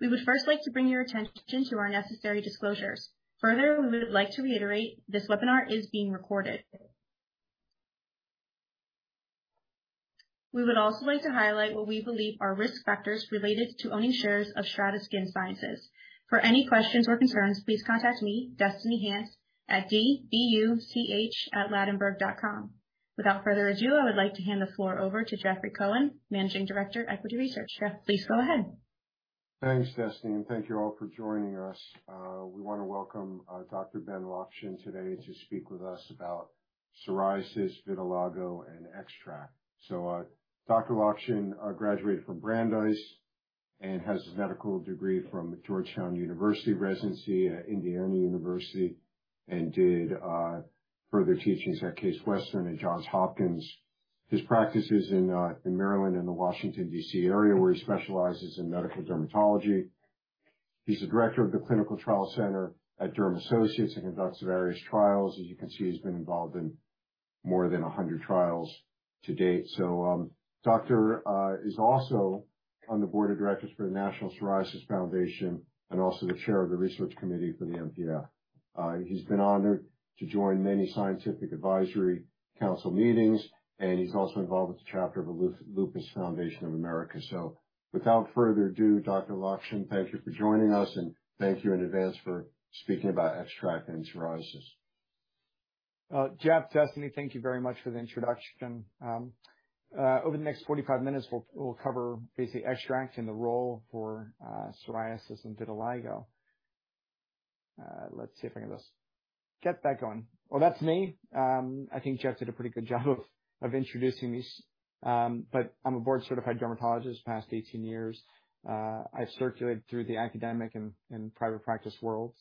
We would first like to bring your attention to our necessary disclosures. Further, we would like to reiterate this webinar is being recorded. We would also like to highlight what we believe are risk factors related to owning shares of STRATA Skin Sciences. For any questions or concerns, please contact me, Destiny Hance, at dhance@ladenburg.com. Without further ado, I would like to hand the floor over to Jeffrey Cohen, Managing Director, Equity Research. Jeff, please go ahead. Thanks, Destiny, and thank you all for joining us. We wanna welcome Dr. Ben Lockshin today to speak with us about psoriasis, vitiligo, and XTRAC. Dr. Lockshin graduated from Brandeis and has his medical degree from Georgetown University, residency at Indiana University, and did further teachings at Case Western and Johns Hopkins. His practice is in Maryland and the Washington, D.C. area, where he specializes in medical dermatology. He's the director of the Clinical Trial Center at DermAssociates and conducts various trials. As you can see, he's been involved in more than 100 trials to date. Doctor is also on the board of directors for the National Psoriasis Foundation and also the chair of the research committee for the NPF. He's been honored to join many scientific advisory council meetings, and he's also involved with the chapter of the Lupus Foundation of America. Without further ado, Dr. Lockshin, thank you for joining us, and thank you in advance for speaking about XTRAC and psoriasis. Jeff, Destiny, thank you very much for the introduction. Over the next 45 minutes, we'll cover basically XTRAC and the role for psoriasis and vitiligo. Let's see if I can just get that going. Well, that's me. I think Jeff did a pretty good job of introducing these. I'm a board-certified dermatologist, past 18 years. I've circulated through the academic and private practice worlds.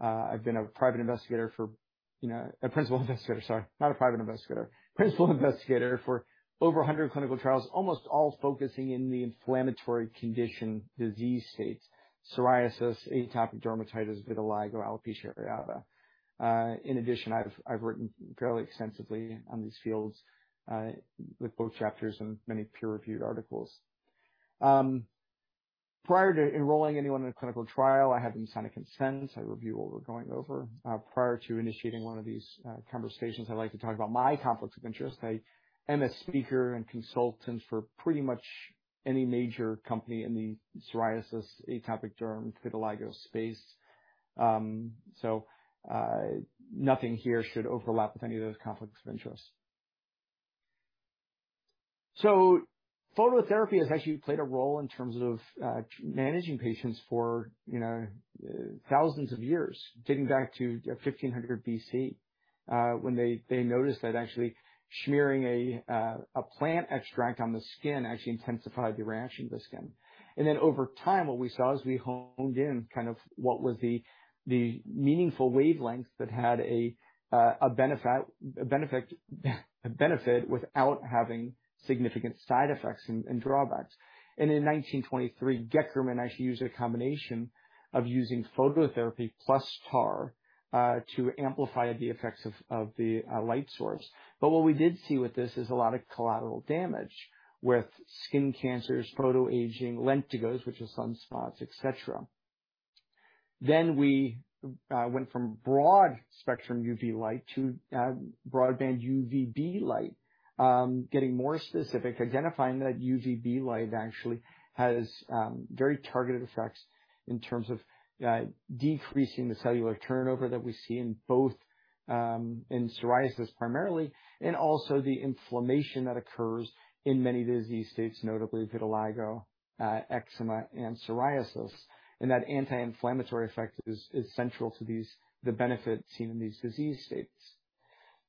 I've been a principal investigator, sorry, not a private investigator, for over 100 clinical trials, almost all focusing in the inflammatory condition disease states, psoriasis, atopic dermatitis, vitiligo, alopecia areata. In addition, I've written fairly extensively on these fields with book chapters and many peer-reviewed articles. Prior to enrolling anyone in a clinical trial, I have them sign a consent. I review what we're going over. Prior to initiating one of these conversations, I like to talk about my conflicts of interest. I am a speaker and consultant for pretty much any major company in the psoriasis, atopic derm, vitiligo space. Nothing here should overlap with any of those conflicts of interest. Phototherapy has actually played a role in terms of managing patients for thousands of years, dating back to 1500 BC, when they noticed that actually smearing a plant extract on the skin actually intensified the reaction of the skin. Then over time, what we saw as we honed in kind of what was the meaningful wavelength that had a benefit without having significant side effects and drawbacks. In 1923, Goeckerman actually used a combination of using phototherapy plus tar to amplify the effects of the light source. What we did see with this is a lot of collateral damage with skin cancers, photoaging, lentigos, which are sunspots, et cetera. We went from broad-spectrum UV light to broadband UVB light, getting more specific, identifying that UVB light actually has very targeted effects in terms of decreasing the cellular turnover that we see in both psoriasis primarily, and also the inflammation that occurs in many disease states, notably vitiligo, eczema, and psoriasis. That anti-inflammatory effect is central to these, the benefit seen in these disease states.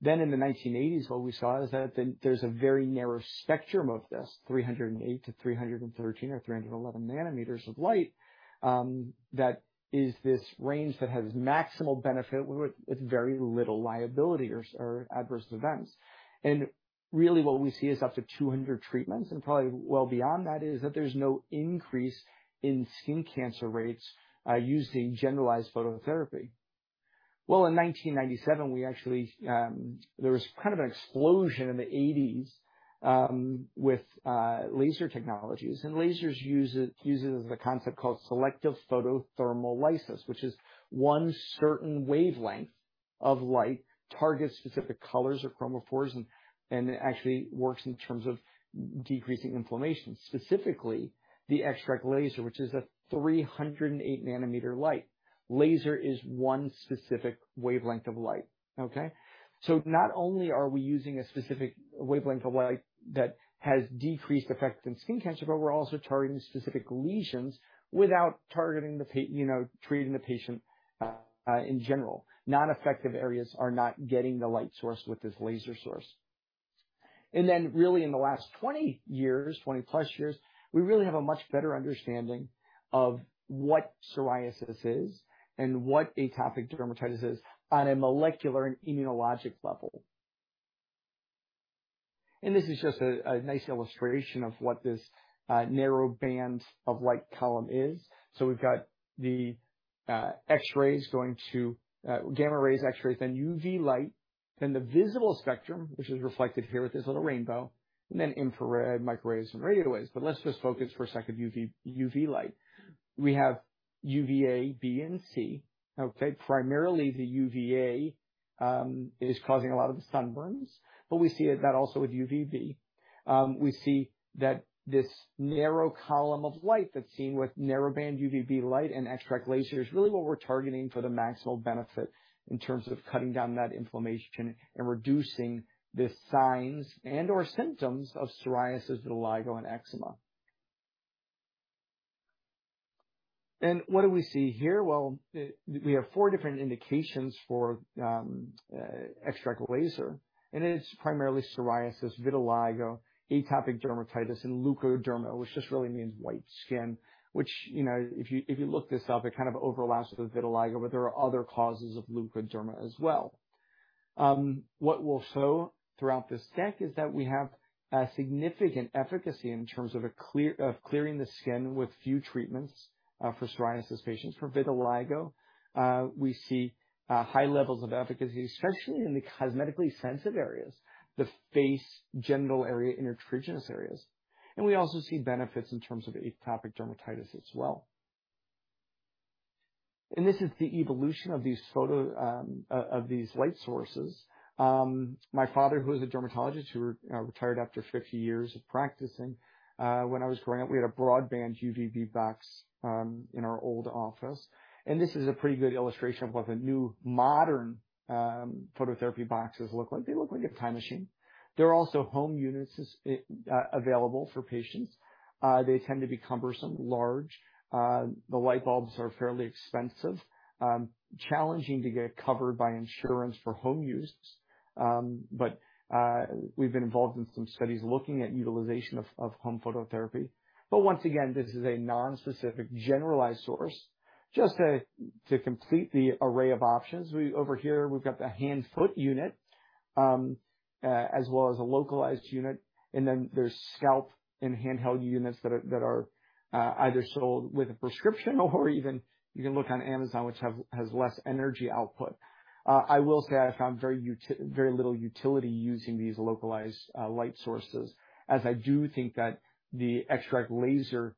In the 1980s, what we saw is that then there's a very narrow spectrum of this, 308-313 or 311 nanometers of light that is this range that has maximal benefit with very little liability or adverse events. Really what we see is up to 200 treatments and probably well beyond that is that there's no increase in skin cancer rates using generalized phototherapy. Well, in 1997, we actually. There was kind of an explosion in the 1980s with laser technologies. Lasers uses the concept called selective photothermolysis, which is one certain wavelength of light targets specific colors or chromophores, and it actually works in terms of decreasing inflammation, specifically the XTRAC laser, which is a 308 nanometer light. Laser is one specific wavelength of light. Okay? Not only are we using a specific wavelength of light that has decreased effects in skin cancer, but we're also targeting specific lesions without targeting the treating the patient in general. Non-effective areas are not getting the light source with this laser source. Then really in the last 20 years, 20+ years, we really have a much better understanding of what psoriasis is and what atopic dermatitis is on a molecular and immunologic level. This is just a nice illustration of what this narrow band of light column is. We've got the X-rays going to gamma rays, X-rays, then UV light. Then the visible spectrum, which is reflected here with this little rainbow, and then infrared, microwaves, and radio waves. Let's just focus for a second UV light. We have UVA, B, and C. Okay? Primarily the UVA is causing a lot of the sunburns, but we see that also with UVB. We see that this narrow column of light that's seen with narrowband UVB light and XTRAC Laser is really what we're targeting for the maximal benefit in terms of cutting down that inflammation and reducing the signs and/or symptoms of psoriasis, vitiligo, and eczema. What do we see here? Well, we have four different indications for XTRAC Laser, and it is primarily psoriasis, vitiligo, atopic dermatitis, and leukoderma, which just really means white skin. Which, you know, if you look this up, it kind of overlaps with vitiligo, but there are other causes of leukoderma as well. What we'll show throughout this deck is that we have a significant efficacy in terms of clearing the skin with few treatments for psoriasis patients. For vitiligo, we see high levels of efficacy, especially in the cosmetically sensitive areas, the face, genital area, intertriginous areas. We also see benefits in terms of atopic dermatitis as well. This is the evolution of these light sources. My father, who is a dermatologist who retired after 50 years of practicing, when I was growing up, we had a broadband UVB box in our old office, and this is a pretty good illustration of what the new modern phototherapy boxes look like. They look like a time machine. There are also home units available for patients. They tend to be cumbersome, large. The light bulbs are fairly expensive. Challenging to get covered by insurance for home use. We've been involved in some studies looking at utilization of home phototherapy. Once again, this is a non-specific generalized source. Just to complete the array of options, over here, we've got the hand-foot unit, as well as a localized unit, and then there's scalp and handheld units that are either sold with a prescription or even you can look on Amazon, which has less energy output. I will say I found very little utility using these localized light sources, as I do think that the XTRAC laser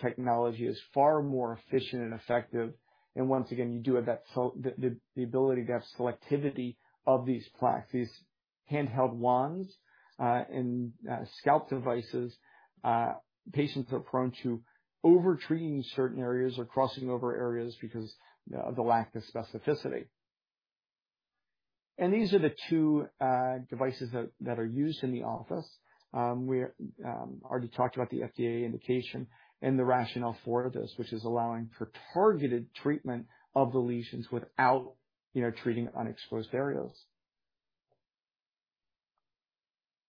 technology is far more efficient and effective. Once again, you do have the ability to have selectivity of these plaques. These handheld wands and scalp devices patients are prone to over-treating certain areas or crossing over areas because the lack of specificity. These are the two devices that are used in the office. Already talked about the FDA indication and the rationale for this, which is allowing for targeted treatment of the lesions without treating unexposed areas.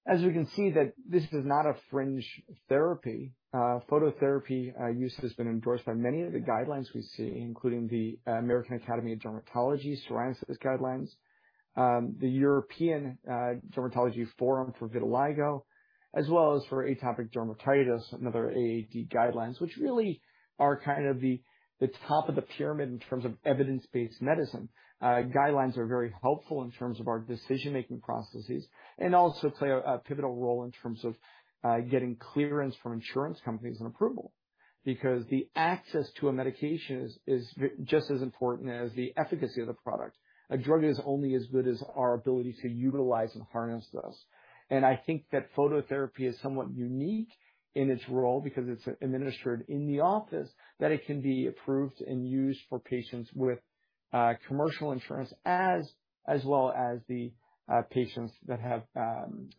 As we can see that this is not a fringe therapy. Phototherapy use has been endorsed by many of the guidelines we see, including the American Academy of Dermatology's psoriasis guidelines, the European Dermatology Forum for vitiligo, as well as for atopic dermatitis, and other AAD guidelines, which really are kind of the top of the pyramid in terms of evidence-based medicine. Guidelines are very helpful in terms of our decision-making processes, and also play a pivotal role in terms of getting clearance from insurance companies and approval. Because the access to a medication is just as important as the efficacy of the product. A drug is only as good as our ability to utilize and harness this. I think that phototherapy is somewhat unique in its role because it's administered in the office, that it can be approved and used for patients with commercial insurance as well as the patients that have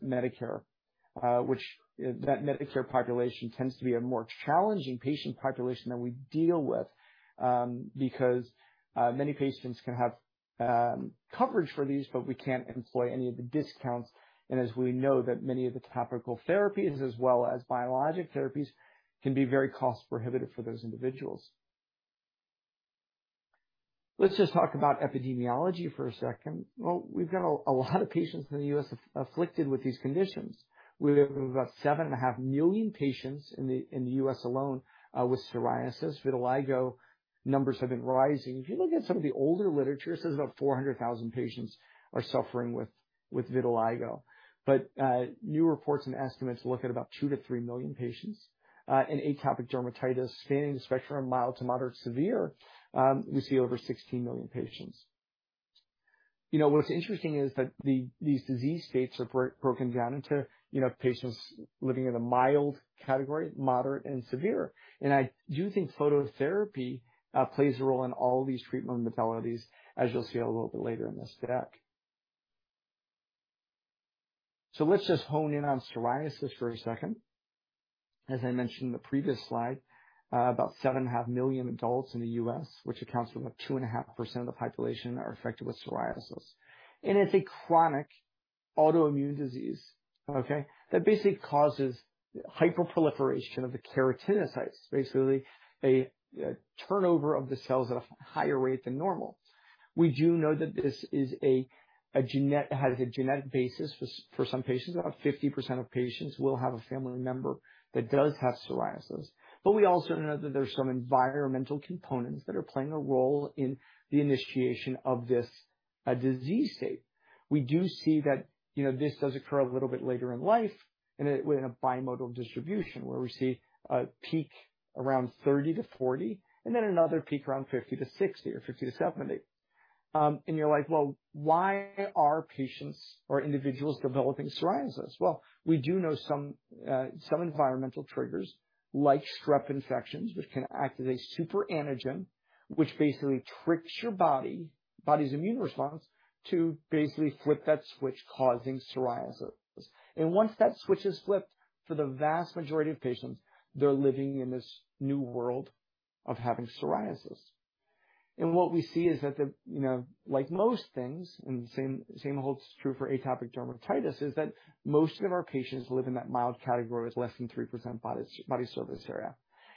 Medicare. Which that Medicare population tends to be a more challenging patient population that we deal with, because many patients can have coverage for these, but we can't employ any of the discounts. As we know that many of the topical therapies, as well as biologic therapies, can be very cost-prohibitive for those individuals. Let's just talk about epidemiology for a second. Well, we've got a lot of patients in the U.S. afflicted with these conditions. We have about 7.5 million patients in the U.S. alone with psoriasis. Vitiligo numbers have been rising. If you look at some of the older literature, it says about 400,000 patients are suffering with vitiligo. New reports and estimates look at about 2-3 million patients. In atopic dermatitis, spanning the spectrum of mild to moderate-severe, we see over 16 million patients. You know, what's interesting is that these disease states are broken down into patients living in a mild category, moderate, and severe. I do think phototherapy plays a role in all these treatment modalities, as you'll see a little bit later in this deck. Let's just hone in on psoriasis for a second. As I mentioned in the previous slide, about 7.5 million adults in the U.S., which accounts for about 2.5% of the population, are affected with psoriasis. It's a chronic autoimmune disease, okay? That basically causes hyperproliferation of the keratinocytes, basically a turnover of the cells at a higher rate than normal. We do know that this has a genetic basis for some patients. About 50% of patients will have a family member that does have psoriasis. We also know that there's some environmental components that are playing a role in the initiation of this disease state. We do see that, you know, this does occur a little bit later in life and in a bimodal distribution, where we see a peak around 30-40 and then another peak around 50-60 or 50-70. You're like, well, why are patients or individuals developing psoriasis? Well, we do know some environmental triggers like strep infections, which can activate superantigen, which basically tricks your body's immune response to basically flip that switch causing psoriasis. Once that switch is flipped, for the vast majority of patients, they're living in this new world of having psoriasis. What we see is that the, you know, like most things, and same holds true for atopic dermatitis, is that most of our patients live in that mild category as less than 3% body surface area.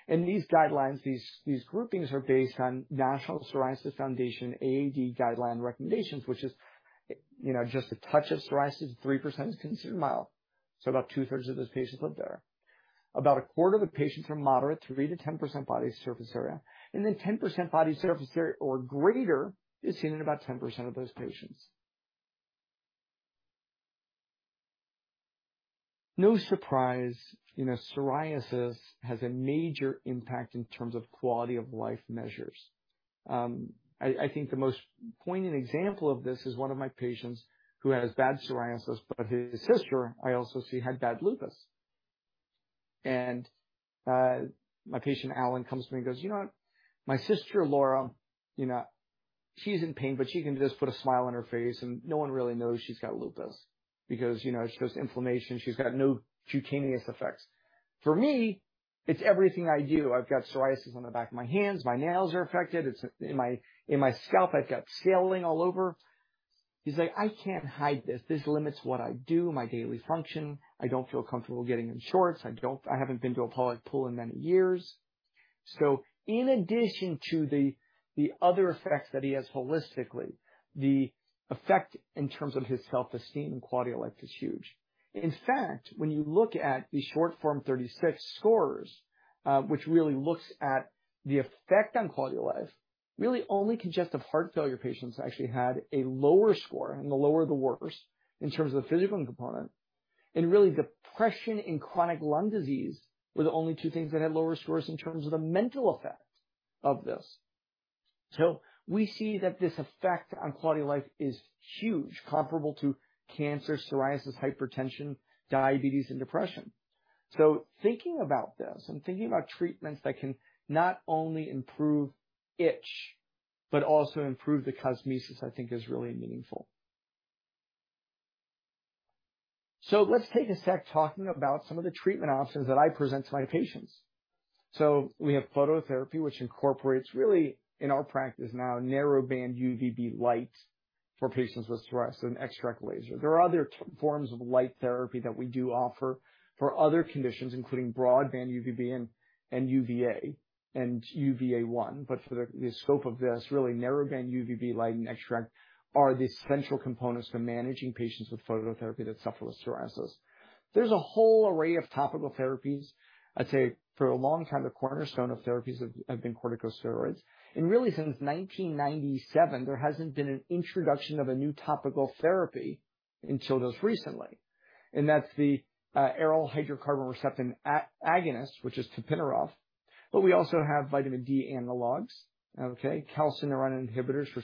These guidelines, these groupings are based on National Psoriasis Foundation AAD guideline recommendations, which is, you know, just a touch of psoriasis, 3% is considered mild. About two-thirds of those patients live there. About a quarter of the patients are moderate, 3%-10% body surface area, and then 10% body surface area or greater is seen in about 10% of those patients. No surprise, you know, psoriasis has a major impact in terms of quality of life measures. I think the most poignant example of this is one of my patients who has bad psoriasis, but his sister, I also see, had bad lupus. My patient, Alan, comes to me and goes, "You know what? My sister Laura, you know, she's in pain, but she can just put a smile on her face and no one really knows she's got lupus because she has inflammation. She's got no cutaneous effects. For me, it's everything I do. I've got psoriasis on the back of my hands. My nails are affected. It's in my scalp. I've got scaling all over." He's like, "I can't hide this. This limits what I do, my daily function. I don't feel comfortable getting in shorts. I haven't been to a public pool in many years." In addition to the other effects that he has holistically, the effect in terms of his self-esteem and quality of life is huge. In fact, when you look at the short form 36 scores, which really looks at the effect on quality of life, really only congestive heart failure patients actually had a lower score, and the lower the worse in terms of the physical component. Really depression and chronic lung disease were the only two things that had lower scores in terms of the mental effect of this. We see that this effect on quality of life is huge, comparable to cancer, psoriasis, hypertension, diabetes, and depression. Thinking about this and thinking about treatments that can not only improve itch but also improve the cosmesis, I think is really meaningful. Let's take a sec talking about some of the treatment options that I present to my patients. We have phototherapy, which incorporates really, in our practice now, narrowband UVB light for patients with psoriasis and XTRAC laser. There are other forms of light therapy that we do offer for other conditions, including broadband UVB and UVA and UVA1. For the scope of this, really narrowband UVB light and XTRAC are the essential components for managing patients with phototherapy that suffer with psoriasis. There's a whole array of topical therapies. I'd say for a long time, the cornerstone of therapies have been corticosteroids. Really, since 1997, there hasn't been an introduction of a new topical therapy until just recently. That's the aryl hydrocarbon receptor agonist, which is tapinarof. We also have vitamin D analogs. Okay? Calcineurin inhibitors for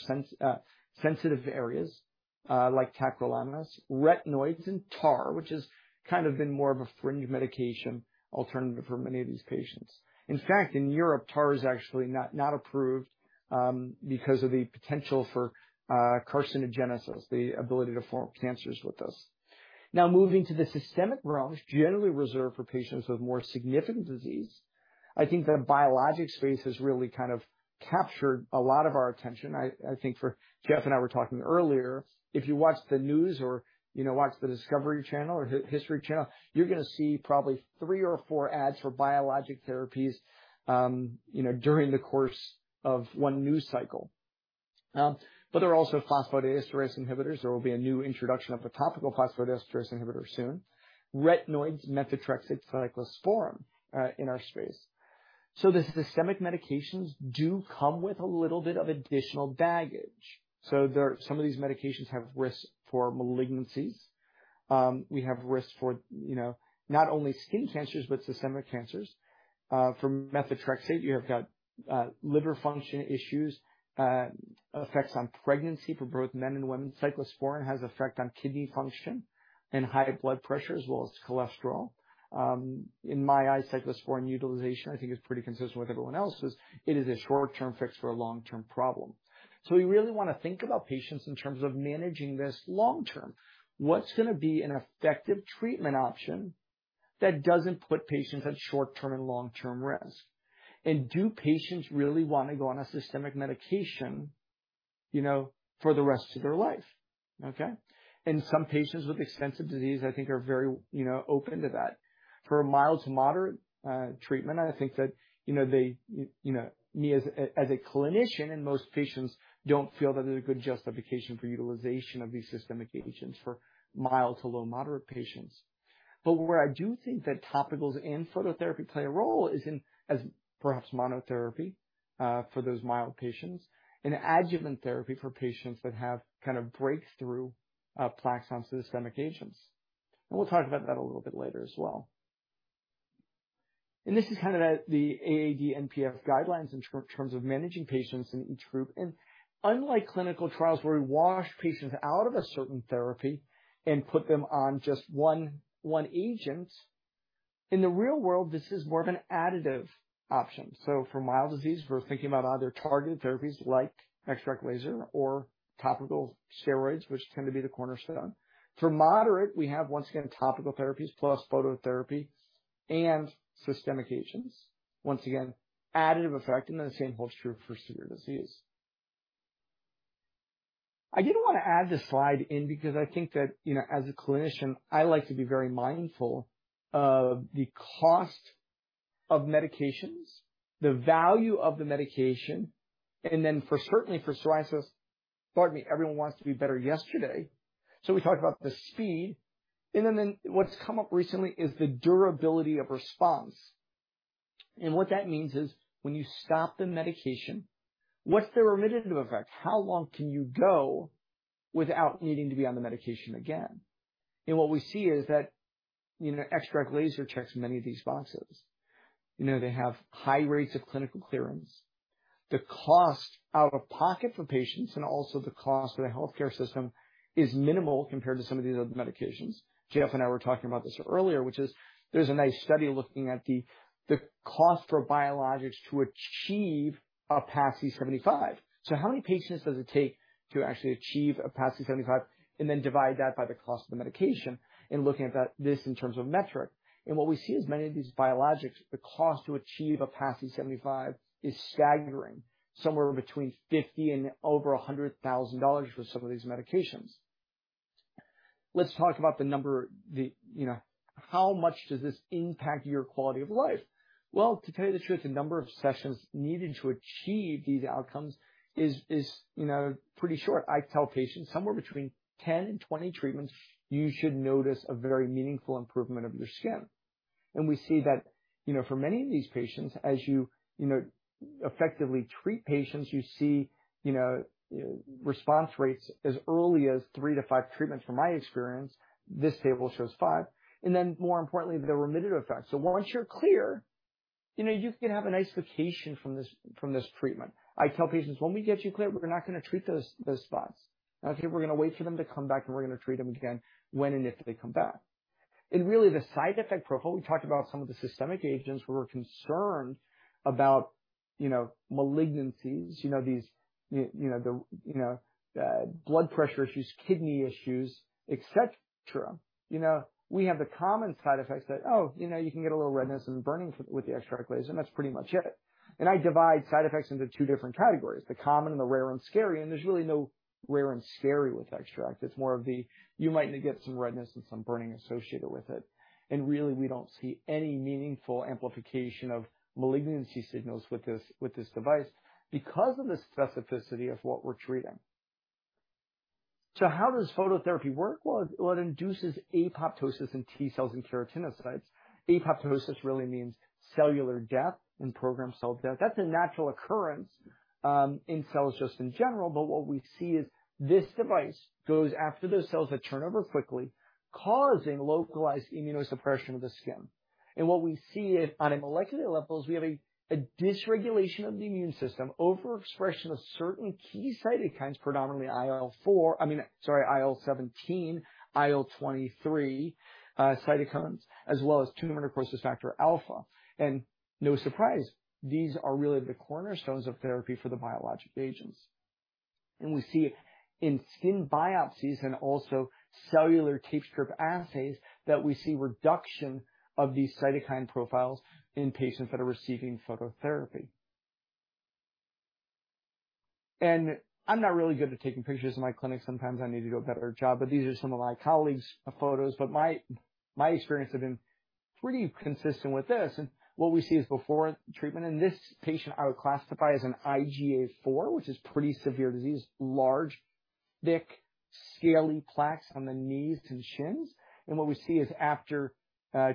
sensitive areas, like tacrolimus, retinoids and tar, which has kind of been more of a fringe medication alternative for many of these patients. In fact, in Europe, tar is actually not approved, because of the potential for carcinogenesis, the ability to form cancers with this. Now, moving to the systemic realms, generally reserved for patients with more significant disease. I think the biologic space has really kind of captured a lot of our attention. I think for Jeff and I were talking earlier, if you watch the news or, you know, watch the Discovery Channel or History Channel, you're gonna see probably three or four ads for biologic therapies during the course of one news cycle. But there are also phosphodiesterase inhibitors. There will be a new introduction of a topical phosphodiesterase inhibitor soon. Retinoids, methotrexate, cyclosporine in our space. The systemic medications do come with a little bit of additional baggage. Some of these medications have risks for malignancies. We have risks for, you know, not only skin cancers but systemic cancers. For methotrexate, you have got liver function issues, effects on pregnancy for both men and women. Cyclosporine has effect on kidney function and high blood pressure as well as cholesterol. In my eyes, cyclosporine utilization I think is pretty consistent with everyone else's. It is a short-term fix for a long-term problem. We really wanna think about patients in terms of managing this long term. What's gonna be an effective treatment option that doesn't put patients at short-term and long-term risk? Do patients really wanna go on a systemic medication, you know, for the rest of their life? Okay. Some patients with extensive disease, I think, are very, you know, open to that. For a mild to moderate treatment, I think that, you know, they me as a, as a clinician and most patients don't feel that there's a good justification for utilization of these systemic agents for mild to low moderate patients. Where I do think that topicals and phototherapy play a role is in as perhaps monotherapy for those mild patients and adjuvant therapy for patients that have kind of breakthrough plaques on systemic agents. We'll talk about that a little bit later as well. This is kinda the AAD/NPF guidelines in terms of managing patients in each group. Unlike clinical trials where we wash patients out of a certain therapy and put them on just one agent, in the real world, this is more of an additive option. For mild disease, we're thinking about either targeted therapies like XTRAC Laser or topical steroids, which tend to be the cornerstone. For moderate, we have, once again, topical therapies plus phototherapy and systemic agents. Once again, additive effect, and then the same holds true for severe disease. I did wanna add this slide in because I think that, you know, as a clinician, I like to be very mindful of the cost of medications, the value of the medication, and then certainly for psoriasis, pardon me, everyone wants to be better yesterday. We talked about the speed. Then what's come up recently is the durability of response. What that means is when you stop the medication, what's the remittive effect? How long can you go without needing to be on the medication again? What we see is that, you know, XTRAC Laser checks many of these boxes. You know, they have high rates of clinical clearance. The cost out of pocket for patients and also the cost to the healthcare system is minimal compared to some of these other medications. Jeff and I were talking about this earlier, which is there's a nice study looking at the cost for biologics to achieve a PASI 75. How many patients does it take to actually achieve a PASI 75, and then divide that by the cost of the medication and looking at that this in terms of metric. What we see is many of these biologics, the cost to achieve a PASI 75 is staggering. Somewhere between $50,000 and over $100,000 for some of these medications. Let's talk about the number, you know, how much does this impact your quality of life? Well, to tell you the truth, the number of sessions needed to achieve these outcomes is pretty short. I tell patients somewhere between 10 and 20 treatments, you should notice a very meaningful improvement of your skin. We see that, you know, for many of these patients, as you know, effectively treat patients, you see, you know, response rates as early as 3-5 treatments from my experience. This table shows 5. Then more importantly, the remittive effect. Once you're clear, you know, you can have a nice vacation from this treatment. I tell patients, "When we get you clear, we're not gonna treat those spots." I say, "We're gonna wait for them to come back, and we're gonna treat them again when and if they come back." Really the side effect profile, we talked about some of the systemic agents where we're concerned about malignancies, you know, these blood pressure issues, kidney issues, et cetera. We have the common side effects that you know you can get a little redness and burning with the XTRAC Laser, and that's pretty much it. I divide side effects into two different categories, the common and the rare and scary, and there's really no rare and scary with XTRAC. It's more of the, you might get some redness and some burning associated with it. Really, we don't see any meaningful amplification of malignancy signals with this device because of the specificity of what we're treating. How does phototherapy work? Well, it induces apoptosis in T cells and keratinocytes. Apoptosis really means cellular death and programmed cell death. That's a natural occurrence in cells just in general, but what we see is this device goes after those cells that turn over quickly, causing localized immunosuppression of the skin. What we see is on a molecular level is we have a dysregulation of the immune system, overexpression of certain key cytokines, predominantly IL-four. I mean, sorry, IL-17, IL-23 cytokines, as well as tumor necrosis factor-alpha. No surprise, these are really the cornerstones of therapy for the biologic agents. We see in skin biopsies and also cellular tape strip assays that we see reduction of these cytokine profiles in patients that are receiving phototherapy. I'm not really good at taking pictures in my clinic. Sometimes I need to do a better job, but these are some of my colleagues' photos. My experience has been pretty consistent with this. What we see is before treatment, and this patient I would classify as an IGA 4, which is pretty severe disease, large, thick, scaly plaques on the knees to the shins. What we see is after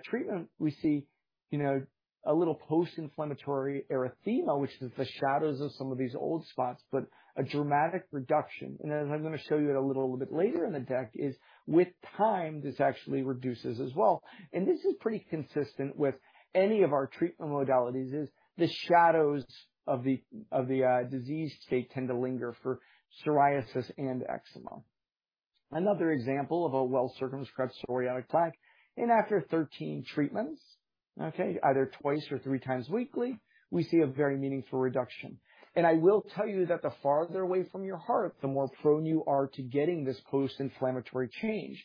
treatment, we see, you know, a little post-inflammatory erythema, which is the shadows of some of these old spots, but a dramatic reduction. As I'm gonna show you a little bit later in the deck is with time, this actually reduces as well. This is pretty consistent with any of our treatment modalities. The shadows of the disease state tend to linger for psoriasis and eczema. Another example of a well-circumscribed psoriatic plaque. After 13 treatments, okay, either twice or three times weekly, we see a very meaningful reduction. I will tell you that the farther away from your heart, the more prone you are to getting this post-inflammatory change.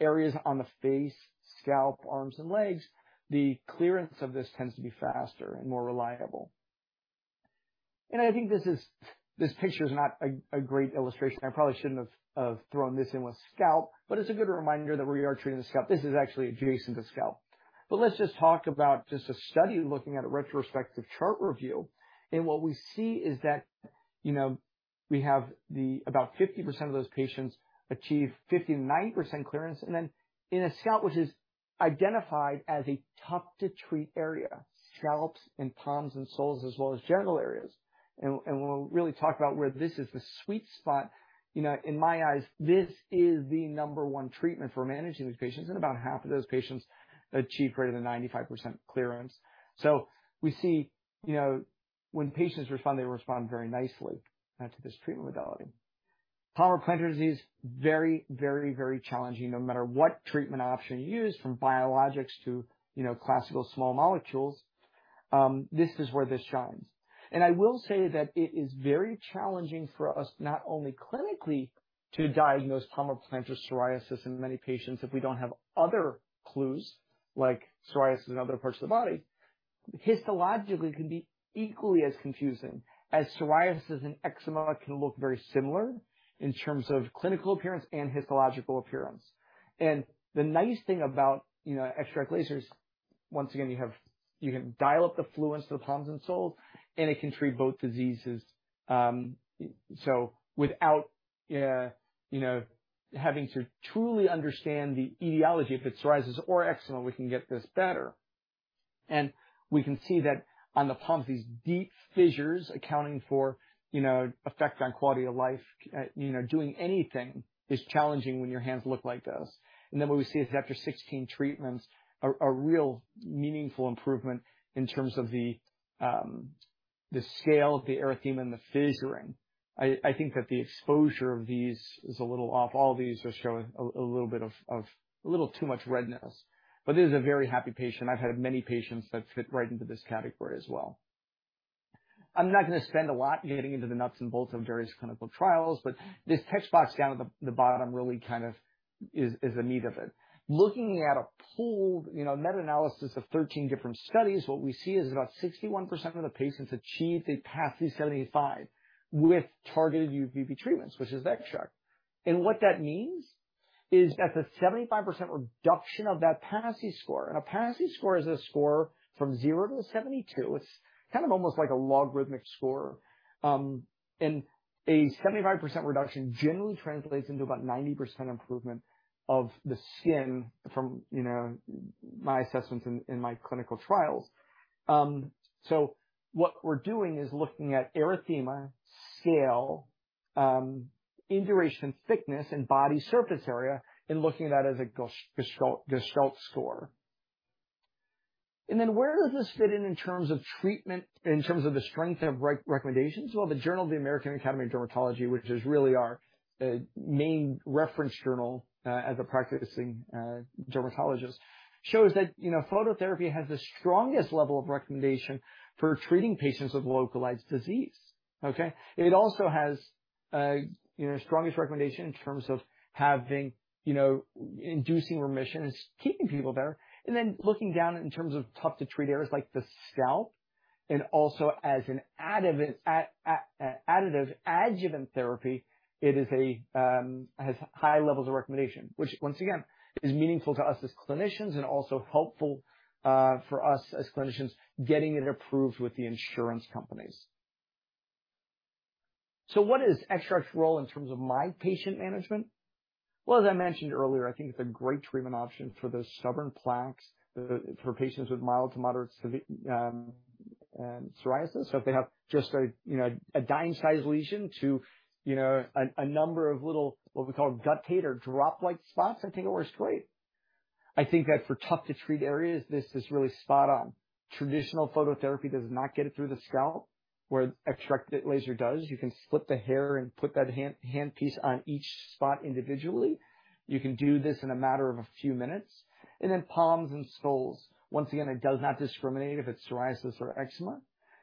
Areas on the face, scalp, arms, and legs, the clearance of this tends to be faster and more reliable. I think this picture is not a great illustration. I probably shouldn't have thrown this in with scalp, but it's a good reminder that we are treating the scalp. This is actually adjacent to scalp. Let's just talk about just a study looking at a retrospective chart review. What we see is that we have about 50% of those patients achieve 50%-90% clearance. Then in a scalp, which is identified as a tough to treat area, scalps and palms and soles as well as genital areas. We'll really talk about where this is the sweet spot. You know, in my eyes, this is the number one treatment for managing these patients. About half of those patients achieve greater than 95% clearance. We see, you know, when patients respond, they respond very nicely to this treatment modality. Palmoplantar disease, very challenging no matter what treatment option you use, from biologics to, you know, classical small molecules. This is where this shines. I will say that it is very challenging for us, not only clinically, to diagnose palmoplantar psoriasis in many patients, if we don't have other clues, like psoriasis in other parts of the body. Histologically can be equally as confusing as psoriasis and eczema can look very similar in terms of clinical appearance and histological appearance. The nice thing about XTRAC lasers, once again, you can dial up the fluence to the palms and soles, and it can treat both diseases. Without, you know, having to truly understand the etiology, if it's psoriasis or eczema, we can get this better. We can see that on the palms, these deep fissures accounting for, you know, effect on quality of life. You know, doing anything is challenging when your hands look like this. Then what we see is after 16 treatments, a real meaningful improvement in terms of the scale of the erythema and the fissuring. I think that the exposure of these is a little off. All these are showing a little bit too much redness. This is a very happy patient. I've had many patients that fit right into this category as well. I'm not gonna spend a lot getting into the nuts and bolts of various clinical trials, but this text box down at the bottom really kind of is the meat of it. Looking at a pooled meta-analysis of 13 different studies, what we see is about 61% of the patients achieved a PASI 75 with targeted UVB treatments, which is XTRAC. What that means is that's a 75% reduction of that PASI score. A PASI score is a score from 0 to 72. It's kind of almost like a logarithmic score. A 75% reduction generally translates into about 90% improvement of the skin from my assessments in my clinical trials. What we're doing is looking at erythema, scale, induration thickness and body surface area, and looking at that as a Gestalt score. Where does this fit in terms of treatment, in terms of the strength of recommendations? Well, the Journal of the American Academy of Dermatology, which is really our main reference journal as a practicing dermatologist, shows that, you know, phototherapy has the strongest level of recommendation for treating patients with localized disease. Okay. It also has, you know, strongest recommendation in terms of having, you know, inducing remission and keeping people better. Then looking down in terms of tough to treat areas like the scalp and also as an additive adjuvant therapy, it has high levels of recommendation. Which once again, is meaningful to us as clinicians and also helpful, for us as clinicians getting it approved with the insurance companies. What is XTRAC's role in terms of my patient management? Well, as I mentioned earlier, I think it's a great treatment option for those stubborn plaques for patients with mild to moderate psoriasis. If they have just a, you know, a dime-sized lesion to, you know, a number of little, what we call guttate or drop-like spots, I think it works great. I think that for tough to treat areas, this is really spot on. Traditional phototherapy does not get it through the scalp, where XTRAC laser does. You can split the hair and put that handpiece on each spot individually. You can do this in a matter of a few minutes. Palms and soles. Once again, it does not discriminate if it's psoriasis or eczema.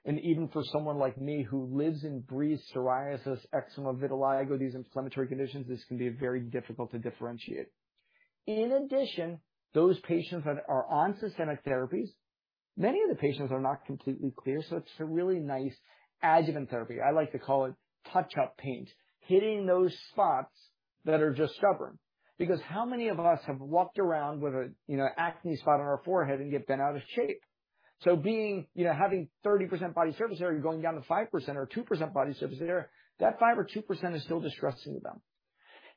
Even for someone like me who lives and breathes psoriasis, eczema, vitiligo, these inflammatory conditions, this can be very difficult to differentiate. In addition, those patients that are on systemic therapies, many of the patients are not completely clear, so it's a really nice adjuvant therapy. I like to call it touch-up paint, hitting those spots that are just stubborn. Because how many of us have walked around with a, you know, acne spot on our forehead and yet been out of shape? Being having 30% body surface area going down to 5% or 2% body surface area, that 5% or 2% is still distressing to them.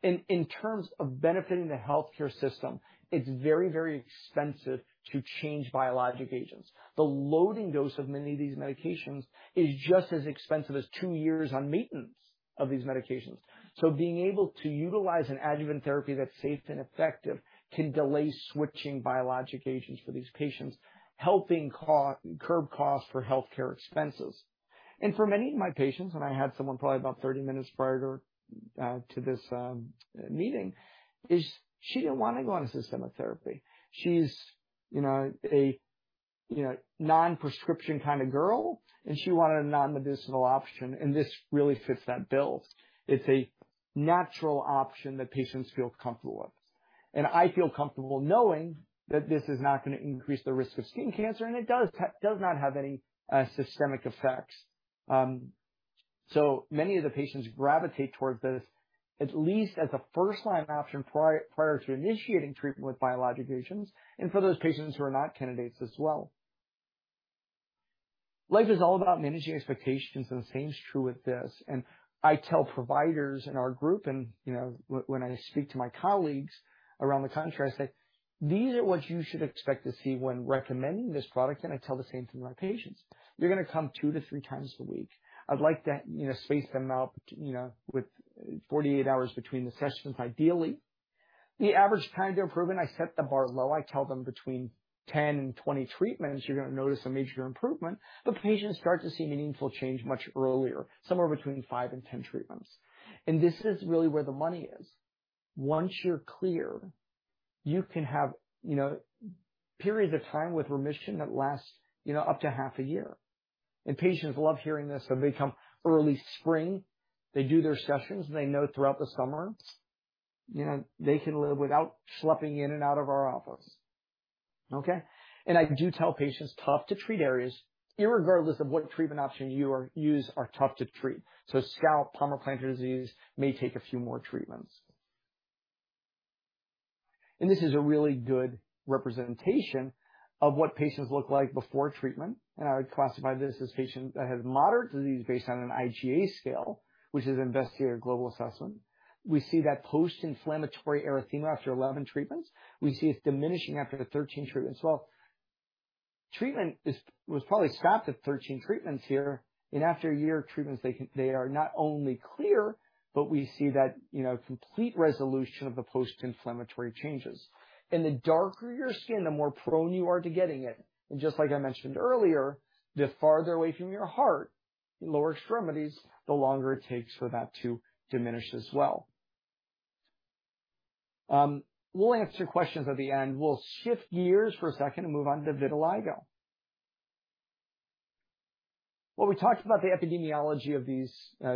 In terms of benefiting the healthcare system, it's very, very expensive to change biologic agents. The loading dose of many of these medications is just as expensive as 2 years on maintenance of these medications. Being able to utilize an adjuvant therapy that's safe and effective can delay switching biologic agents for these patients, helping curb costs for healthcare expenses. For many of my patients, I had someone probably about 30 minutes prior to this meeting, she didn't wanna go on a systemic therapy. She's you know a non-prescription kinda girl, and she wanted a non-medicinal option, and this really fits that bill. It's a natural option that patients feel comfortable with. I feel comfortable knowing that this is not gonna increase the risk of skin cancer, and it does not have any systemic effects. Many of the patients gravitate towards this, at least as a first-line option prior to initiating treatment with biologic agents, and for those patients who are not candidates as well. Life is all about managing expectations, and the same is true with this. I tell providers in our group and you know when I speak to my colleagues around the country, I say, "These are what you should expect to see when recommending this product." I tell the same thing to my patients. You're going to come 2-3 times a week. I'd like to, you know, space them out, you know, with 48 hours between the sessions, ideally. The average time to improvement, I set the bar low. I tell them between 10 and 20 treatments, you're going to notice a major improvement, but patients start to see meaningful change much earlier, somewhere between 5 and 10 treatments. This is really where the money is. Once you're clear, you can have periods of time with remission that lasts, you know, up to half a year. Patients love hearing this, so they come early spring, they do their sessions, and they know throughout the summer, you know, they can live without schlepping in and out of our office. Okay? I do tell patients, tough to treat areas irregardless of what treatment option you use are tough to treat. Scalp, palmoplantar disease may take a few more treatments. This is a really good representation of what patients look like before treatment. I would classify this as patient that has moderate disease based on an IGA scale, which is Investigator Global Assessment. We see that post-inflammatory erythema after 11 treatments. We see it's diminishing after the 13th treatment. Well, treatment was probably stopped at 13 treatments here. After a year of treatments, they are not only clear, but we see that, you know, complete resolution of the post-inflammatory changes. The darker your skin, the more prone you are to getting it. Just like I mentioned earlier, the farther away from your heart, your lower extremities, the longer it takes for that to diminish as well. We'll answer questions at the end. We'll shift gears for a second and move on to vitiligo. Well, we talked about the epidemiology of these,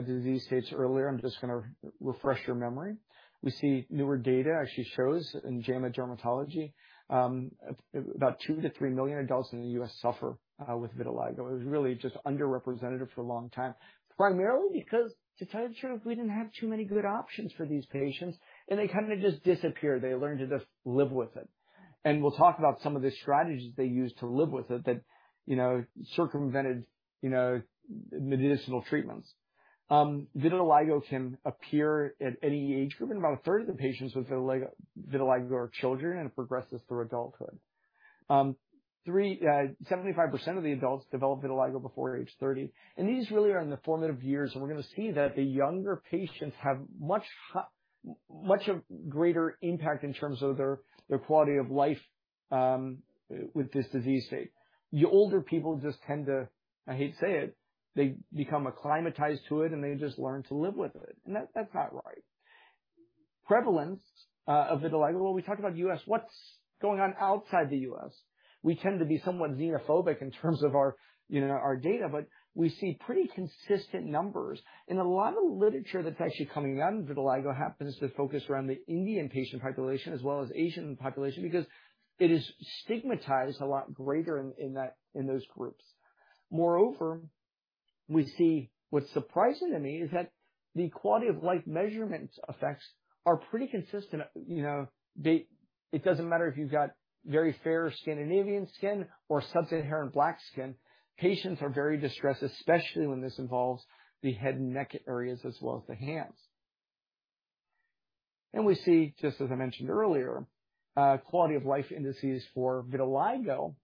disease states earlier. I'm just going to refresh your memory. We see newer data actually shows in JAMA Dermatology, about 2-3 million adults in the U.S. suffer with vitiligo. It was really just underrepresented for a long time, primarily because to tell you the truth, we didn't have too many good options for these patients, and they kind of just disappeared. They learned to just live with it. We'll talk about some of the strategies they used to live with it that, you know, circumvented, you know, medicinal treatments. Vitiligo can appear at any age group, and about a third of the patients with vitiligo are children, and it progresses through adulthood. 75% of the adults develop vitiligo before age 30. These really are in the formative years, and we're going to see that the younger patients have much greater impact in terms of their quality of life with this disease state. The older people just tend to, I hate to say it, they become acclimatized to it, and they just learn to live with it, and that's not right. Prevalence of vitiligo. Well, we talked about U.S. What's going on outside the U.S.? We tend to be somewhat xenophobic in terms of our, you know, our data, but we see pretty consistent numbers. A lot of literature that's actually coming out on vitiligo happens to focus around the Indian patient population as well as Asian population because it is stigmatized a lot greater in those groups. Moreover, we see what's surprising to me is that the quality-of-life measurement effects are pretty consistent. You know, it doesn't matter if you've got very fair Scandinavian skin or sub-Saharan Black skin. Patients are very distressed, especially when this involves the head and neck areas as well as the hands. We see, just as I mentioned earlier, quality of life indices for vitiligo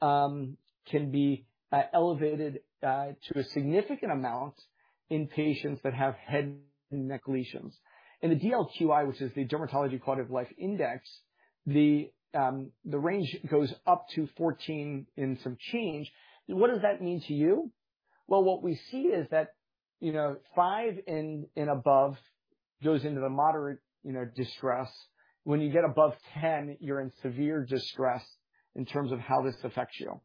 can be elevated to a significant amount in patients that have head and neck lesions. The DLQI, which is the Dermatology Life Quality Index, the range goes up to 14 and some change. What does that mean to you? Well, what we see is that, you know, five and above goes into the moderate, you know, distress. When you get above 10, you're in severe distress in terms of how this affects you.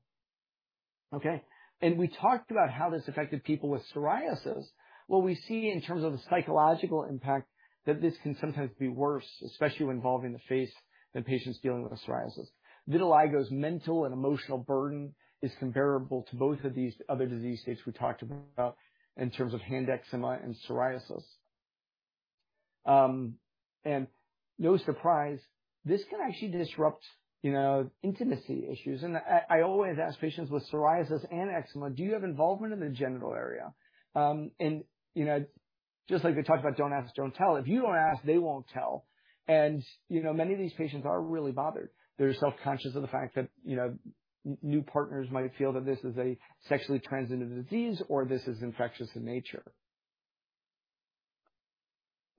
Okay. We talked about how this affected people with psoriasis. What we see in terms of the psychological impact, that this can sometimes be worse, especially when involving the face than patients dealing with psoriasis. Vitiligo's mental and emotional burden is comparable to both of these other disease states we talked about in terms of hand eczema and psoriasis. No surprise, this can actually disrupt intimacy issues. I always ask patients with psoriasis and eczema, "Do you have involvement in the genital area?" You know, just like we talked about, don't ask, don't tell. If you don't ask, they won't tell. You know, many of these patients are really bothered. They're self-conscious of the fact that, you know, new partners might feel that this is a sexually transmitted disease or this is infectious in nature.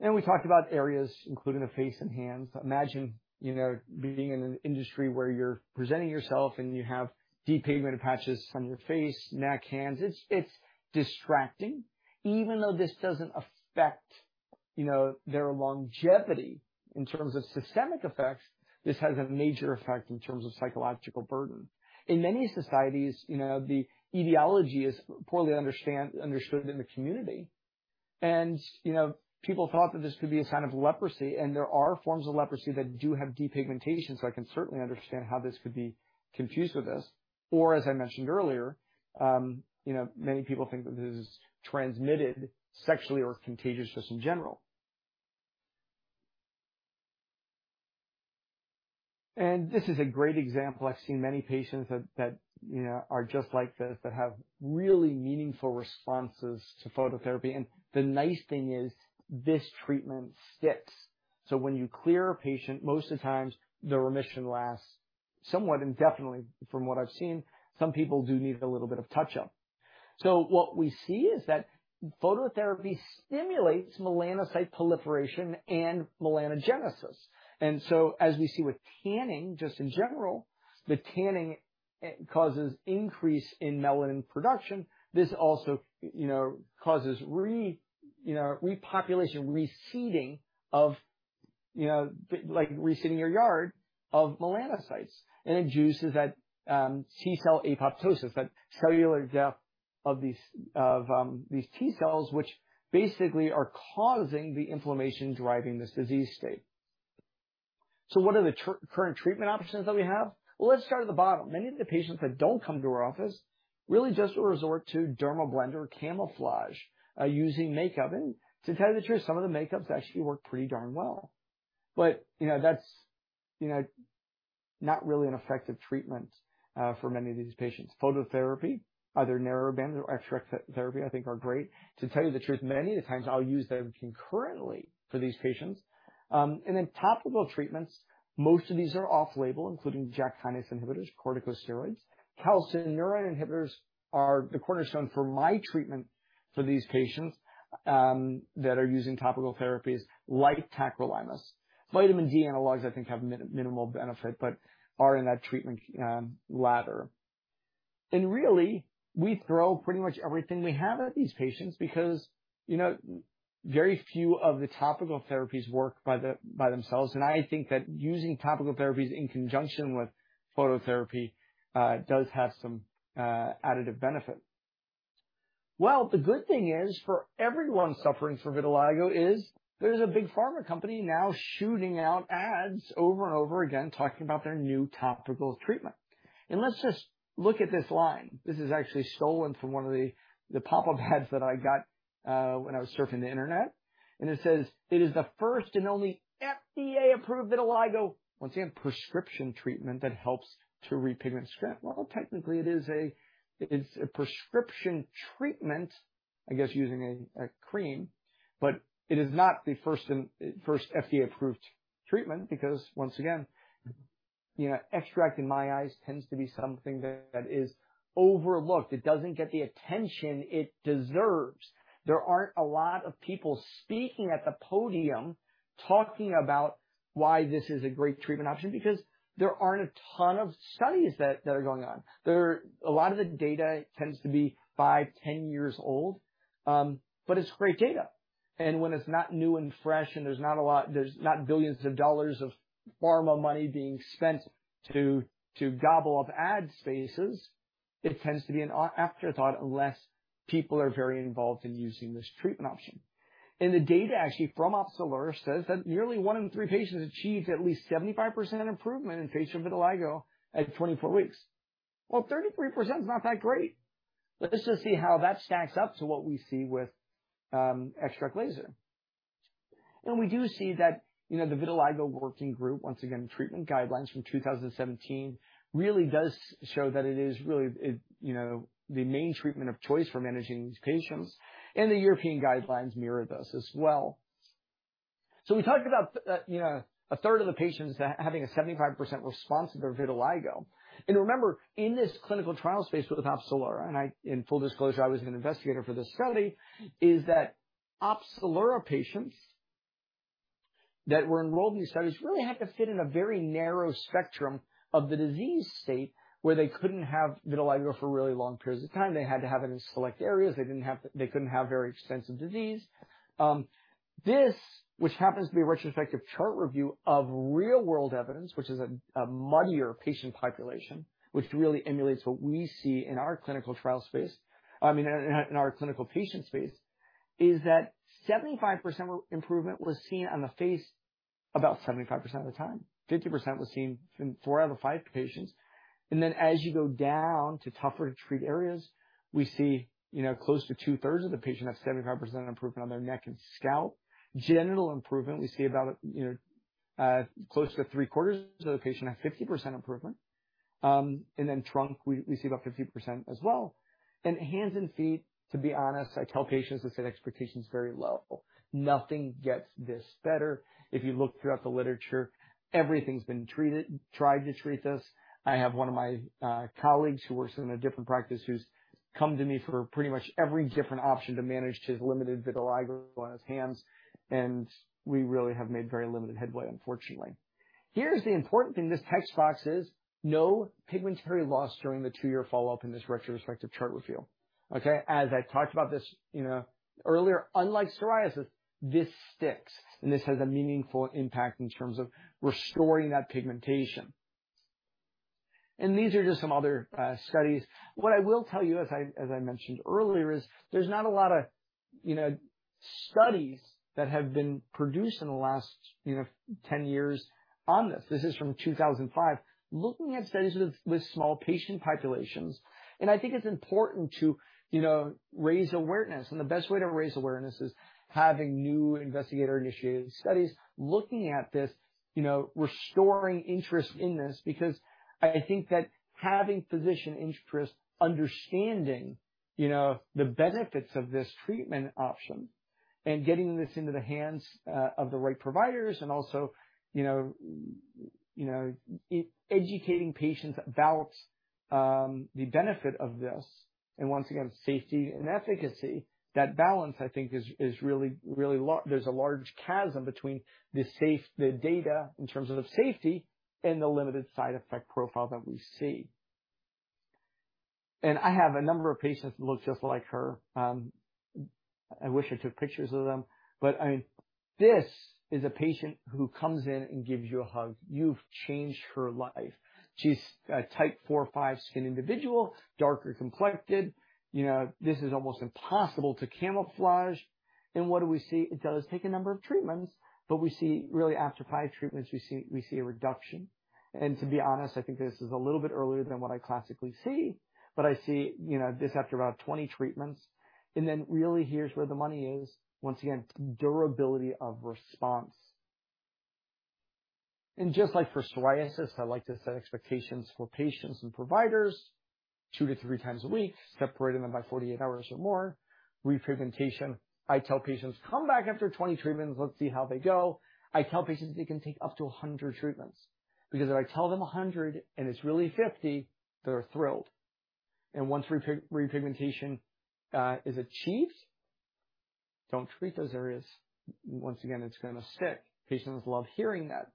We talked about areas including the face and hands. Imagine, you know, being in an industry where you're presenting yourself and you have depigmented patches on your face, neck, hands. It's distracting. Even though this doesn't affect, you know, their longevity in terms of systemic effects, this has a major effect in terms of psychological burden. In many societies, you know, the etiology is poorly understood in the community. You know, people thought that this could be a sign of leprosy, and there are forms of leprosy that do have depigmentation, so I can certainly understand how this could be confused with this. As I mentioned earlier, you know, many people think that this is transmitted sexually or contagious just in general. This is a great example. I've seen many patients that, you know, are just like this, that have really meaningful responses to phototherapy. The nice thing is this treatment sticks. When you clear a patient, most of the times, the remission lasts somewhat indefinitely. From what I've seen, some people do need a little bit of touch-up. What we see is that phototherapy stimulates melanocyte proliferation and melanogenesis. As we see with tanning, just in general, the tanning causes increase in melanin production. This also, you know, causes repopulation, reseeding of like reseeding your yard of melanocytes. Induces that T cell apoptosis, that cellular death of these T cells, which basically are causing the inflammation driving this disease state. What are the current treatment options that we have? Well, let's start at the bottom. Many of the patients that don't come to our office really just resort to Dermablend or camouflage, using makeup. To tell you the truth, some of the makeups actually work pretty darn well. You know, that's, you know, not really an effective treatment, for many of these patients. Phototherapy, either narrowband or XTRAC therapy, I think are great. To tell you the truth, many of the times I'll use them concurrently for these patients. And then topical treatments, most of these are off-label, including JAK kinase inhibitors, corticosteroids. Calcineurin inhibitors are the cornerstone for my treatment for these patients that are using topical therapies like tacrolimus. Vitamin D analogs I think have minimal benefit but are in that treatment ladder. Really, we throw pretty much everything we have at these patients because very few of the topical therapies work by themselves. I think that using topical therapies in conjunction with phototherapy does have some additive benefit. Well, the good thing is for everyone suffering from vitiligo is there's a big pharma company now shooting out ads over and over again talking about their new topical treatment. Let's just look at this line. This is actually stolen from one of the pop-up ads that I got when I was surfing the Internet. It says, "It is the first and only FDA-approved vitiligo," once again, "prescription treatment that helps to repigment skin." Well, technically, it is a prescription treatment, I guess, using a cream, but it is not the first FDA-approved treatment because, once again, you know, XTRAC, in my eyes, tends to be something that is overlooked. It doesn't get the attention it deserves. There aren't a lot of people speaking at the podium talking about why this is a great treatment option because there aren't a ton of studies that are going on. A lot of the data tends to be 5, 10 years old, but it's great data. When it's not new and fresh and there's not a lot, there's not billions of dollars of pharma money being spent to gobble up ad spaces, it tends to be an afterthought unless people are very involved in using this treatment option. The data actually from Opzelura says that nearly one in three patients achieved at least 75% improvement in facial vitiligo at 24 weeks. Well, 33% is not that great. Let's just see how that stacks up to what we see with XTRAC laser. We do see that, you know, the Vitiligo Working Group, once again, treatment guidelines from 2017 really does show that it is really it the main treatment of choice for managing these patients. The European guidelines mirror this as well. We talked about, you know, a third of the patients having a 75% response to their vitiligo. Remember, in this clinical trial space with Opzelura, and I, in full disclosure, I was an investigator for this study, is that Opzelura patients that were enrolled in these studies really had to fit in a very narrow spectrum of the disease state where they couldn't have vitiligo for really long periods of time. They had to have it in select areas. They couldn't have very extensive disease. This, which happens to be a retrospective chart review of real-world evidence, which is a muddier patient population, which really emulates what we see in our clinical trial space, I mean, in our clinical patient space, is that 75% improvement was seen on the face about 75% of the time. 50% was seen in four out of five patients. Then as you go down to tougher to treat areas, we see close to two-thirds of the patients have 75% improvement on their neck and scalp. General improvement, we see about, you know, close to three-quarters of the patient have 50% improvement. Trunk, we see about 50% as well. Hands and feet, to be honest, I tell patients to set expectations very low. Nothing gets this better. If you look throughout the literature, everything's been tried to treat this. I have one of my colleagues who works in a different practice who's come to me for pretty much every different option to manage his limited vitiligo on his hands, and we really have made very limited headway, unfortunately. Here's the important thing this text box is, no pigmentary loss during the two-year follow-up in this retrospective chart review, okay? As I talked about this, you know, earlier, unlike psoriasis, this sticks, and this has a meaningful impact in terms of restoring that pigmentation. These are just some other studies. What I will tell you, as I mentioned earlier, is there's not a lot of studies that have been produced in the last 10 years on this. This is from 2005. Looking at studies with small patient populations. I think it's important to, you know, raise awareness. The best way to raise awareness is having new investigator-initiated studies looking at this, restoring interest in this because I think that having physician interest, understanding, you know, the benefits of this treatment option and getting this into the hands of the right providers and also, you know, educating patients about the benefit of this and once again, safety and efficacy. That balance, I think, is really. There's a large chasm between the data in terms of safety and the limited side effect profile that we see. I have a number of patients that look just like her. I wish I took pictures of them. This is a patient who comes in and gives you a hug. You've changed her life. She's a type 4 or 5 skin individual, darker complected. You know, this is almost impossible to camouflage. What do we see? It does take a number of treatments, but we see really after five treatments, we see a reduction. To be honest, I think this is a little bit earlier than what I classically see. I see, you know, this after about 20 treatments. Then really here's where the money is. Once again, durability of response. Just like for psoriasis, I like to set expectations for patients and providers 2-3 times a week, separating them by 48 hours or more. Repigmentation, I tell patients, "Come back after 20 treatments, let's see how they go." I tell patients it can take up to 100 treatments because if I tell them 100 and it's really 50, they're thrilled. Once repigmentation is achieved, don't treat those areas. Once again, it's gonna sit. Patients love hearing that.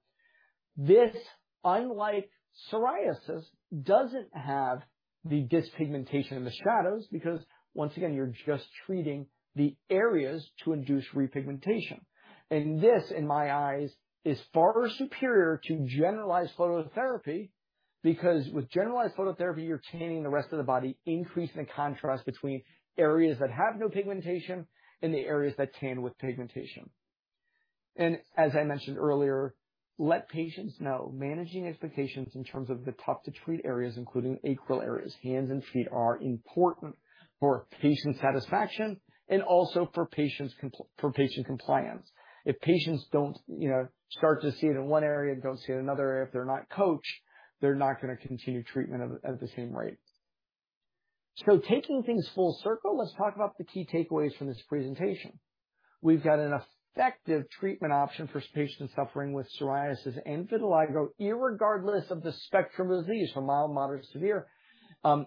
This, unlike psoriasis, doesn't have the dyspigmentation in the shadows because once again, you're just treating the areas to induce repigmentation. This, in my eyes, is far superior to generalized phototherapy because with generalized phototherapy, you're tanning the rest of the body, increasing the contrast between areas that have no pigmentation and the areas that tan with pigmentation. As I mentioned earlier, let patients know. Managing expectations in terms of the tough-to-treat areas, including acral areas, hands and feet are important for patient satisfaction and also for patient compliance. If patients don't start to see it in one area and don't see it in another area, if they're not coached, they're not gonna continue treatment at the same rate. Taking things full circle, let's talk about the key takeaways from this presentation. We've got an effective treatment option for patients suffering with psoriasis and vitiligo irregardless of the spectrum of disease from mild, moderate, severe.